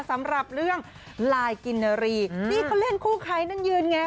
สำหรับเรื่องลายกินนารีนี่เขาเล่นคู่ใครนั่นยืนไง